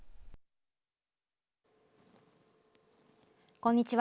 こんにちは。